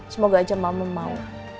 semoga aja mama mau